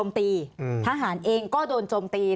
ทำไมรัฐต้องเอาเงินภาษีประชาชน